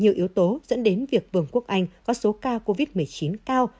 nhiều yếu tố dẫn đến việc vương quốc anh có số ca covid một mươi chín cao